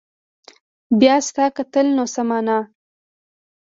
بيا ستا کتل نو څه معنا